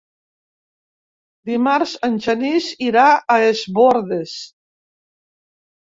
Dimarts en Genís irà a Es Bòrdes.